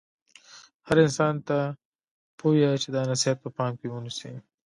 هر انسان ته پویه چې دا نصحیت په پام کې ونیسي.